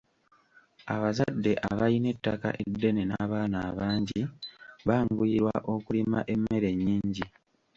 Abazadde abayina ettaka eddene n'abaana abangi banguyirwa okulima emmere ennyingi.